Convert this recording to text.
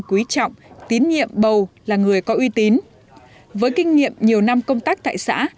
quý trọng tín nhiệm bầu là người có uy tín với kinh nghiệm nhiều năm công tác tại xã